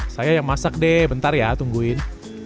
saya yang masak deh bentar ya tungguin